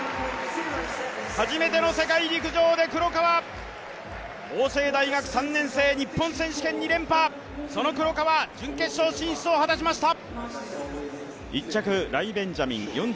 初めての世界陸上で黒川、法政大学３年生、日本選手権２連覇、その黒川、準決勝進出を果たしました。